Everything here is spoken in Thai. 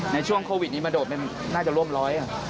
ในช่วงโควิดนี้มาโดดมันน่าจะร่วมร้อย